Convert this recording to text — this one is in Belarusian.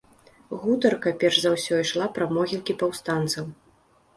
Гутарка, перш за ўсё, ішла пра могілкі паўстанцаў.